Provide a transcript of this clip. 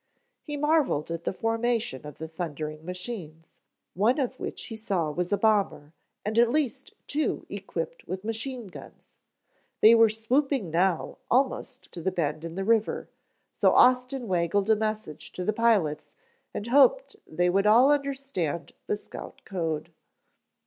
He marveled at the formation of the thundering machines, one of which he saw was a bomber, and at least two equipped with machine guns. They were swooping now almost to the bend in the river, so Austin waggled a message to the pilots and hoped they would understand the scout code.